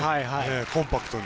コンパクトに。